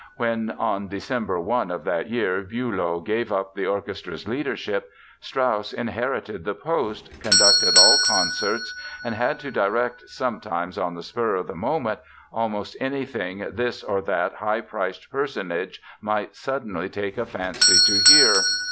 When on December 1 of that year Bülow gave up the orchestra's leadership, Strauss inherited the post, conducted all concerts and had to direct, sometimes on the spur of the moment, almost anything this or that high placed personage might suddenly take a fancy to hear.